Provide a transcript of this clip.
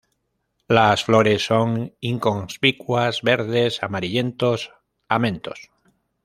Las flores son inconspicuas, verde-amarillentos amentos.